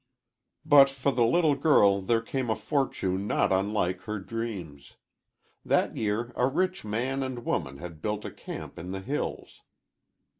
"But for the little girl there came a fortune not unlike her dreams. That year a rich man and woman had built a camp in the hills.